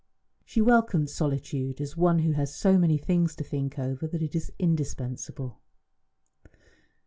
She welcomed solitude as one who has so many things to think over, that it is indispensable.